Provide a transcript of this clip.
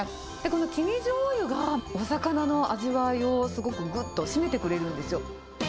この黄身じょうゆが、お魚の味わいをすごくぐっと締めてくれるんですよ。